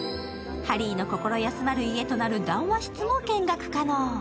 ハリーの心休まる家となる談話室も見学可能。